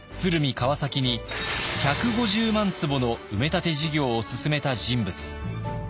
川崎に１５０万坪の埋め立て事業を進めた人物